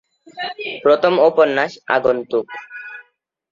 প্রথম উপন্যাস আগন্তুক।